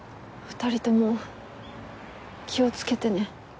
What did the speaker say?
２人とも気をつけてね。